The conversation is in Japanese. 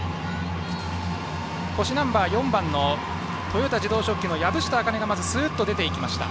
腰ナンバー４番の豊田自動織機の籔下明音がまず出てきました。